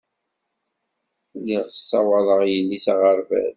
Lliɣ ssawaḍeɣ yelli s aɣerbaz.